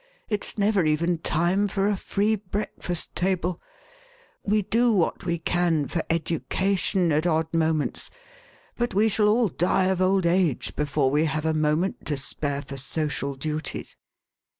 It's never even time for a free breakfast table ; we do what we can for education at odd moments, but we shall all die of old age before we have a moment to spare for social duties."